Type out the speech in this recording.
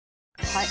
はい。